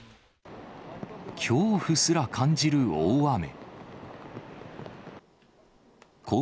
恐怖すら感じる大雨。